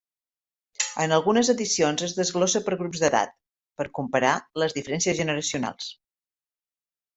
En algunes edicions es desglossa per grups d'edat, per comparar les diferències generacionals.